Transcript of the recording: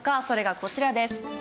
それがこちらです。